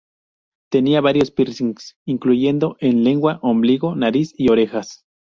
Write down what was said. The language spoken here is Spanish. Tenía varios piercings, incluyendo en lengua, ombligo, nariz y orejas.